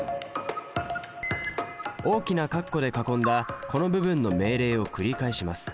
大きな括弧で囲んだこの部分の命令を繰り返します。